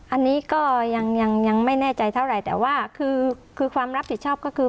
อันนี้ก็ยังยังไม่แน่ใจเท่าไหร่แต่ว่าคือความรับผิดชอบก็คือ